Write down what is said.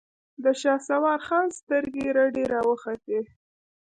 د شهسوار خان سترګې رډې راوختې.